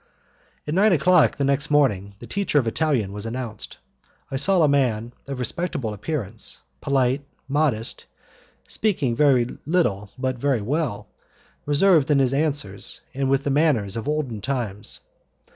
At nine o'clock the next morning the teacher of Italian was announced. I saw a man of respectable appearance, polite, modest, speaking little but well, reserved in his answers, and with the manners of olden times.